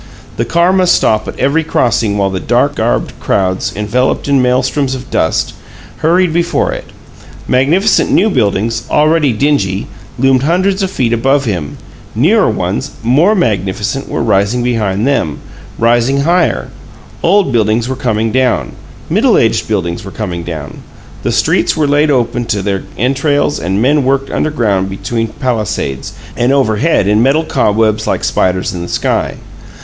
The car must stop at every crossing while the dark garbed crowds, enveloped in maelstroms of dust, hurried before it. Magnificent new buildings, already dingy, loomed hundreds of feet above him; newer ones, more magnificent, were rising beside them, rising higher; old buildings were coming down; middle aged buildings were coming down; the streets were laid open to their entrails and men worked underground between palisades, and overhead in metal cobwebs like spiders in the sky.